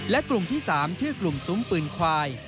และกลุ่มที่๓ชื่อกลุ่มซุ้มปืนควาย